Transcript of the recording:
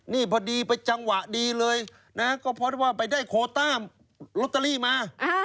นี่พอดีเป็นจังหวะดีเลยนะครับก็เพราะว่าไปได้โควตาร์โรตเตอรี่มา